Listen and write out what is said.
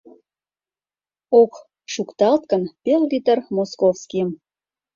Ок шукталт гын, пел-литр «Московскийым».